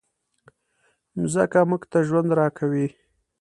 مځکه موږ ته ژوند راکوي.